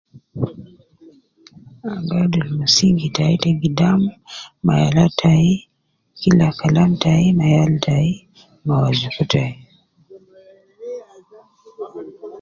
Ana gi adul musingi tai te gidam ma yala tai kila Kalam tai ma yal tai ma wazuku tai